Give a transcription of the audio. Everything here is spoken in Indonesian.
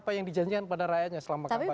apa yang dijanjikan pada rakyatnya selama kampanye